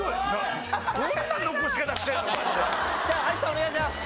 お願いします！